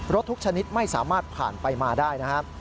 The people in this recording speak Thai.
ทุกชนิดไม่สามารถผ่านไปมาได้นะครับ